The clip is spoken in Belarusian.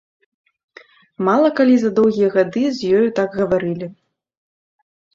Мала калі за доўгія гады з ёю так гаварылі.